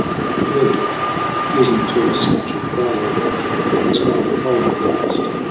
The third dawn, oozing through a smudge of gray, Awoke him. It was growing colder fast.